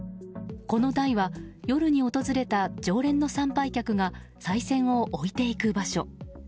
この台は夜に訪れた常連の参拝客がさい銭を置いていく場所。